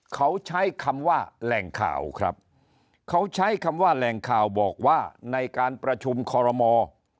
เขาใช้คำว่าแหล่งข่าวครับเขาใช้คำว่าแหล่งข่าวบอกว่าในการประชุมคอรมอ